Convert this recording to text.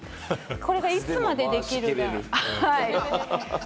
これがいつまでできるか。